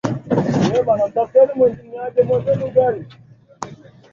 saka uungwaji mkono katika kushughulikia